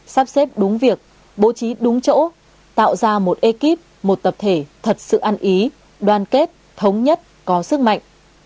sắp xếp đúng việc bố trí đúng chỗ tạo ra một ekip một tập thể thật sự ăn ý đoàn kết thống nhất có sức mạnh